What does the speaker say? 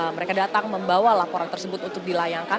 mereka datang membawa laporan tersebut untuk dilayangkan